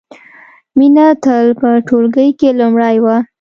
مینه تل په ټولګي کې لومړۍ وه